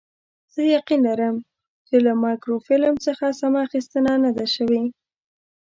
زه یقین لرم چې له مایکروفیلم څخه سمه اخیستنه نه ده شوې.